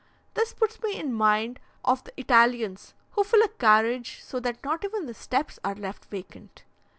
This put me in mind of the Italians, who fill a carriage so that not even the steps are left vacant.